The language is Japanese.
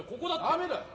ダメだよ。